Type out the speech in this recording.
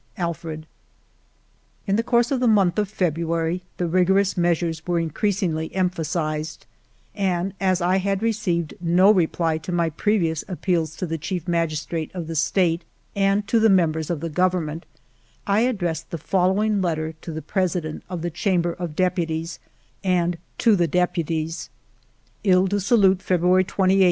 Alfred." In the course of the month of February, the rigorous measures were increasingly emphasized, and, as I had received no reply to my previous appeals to the Chief Magistrate of the State and to the members of the Government, I addressed the following letter to the President of the Cham ber of Deputies and to the deputies :—*' Iles du Salut, February 28, 1898.